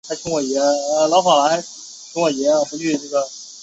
后来他在匹兹堡大学学习。